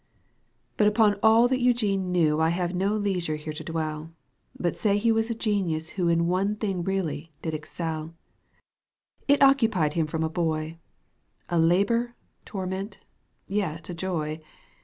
But upon all that Eugene knew I have no leisure here to dwell, But say he луаз a geniugrwho In one thing really did excel. It occupied him from a boy, A labour, torment, yet a joy.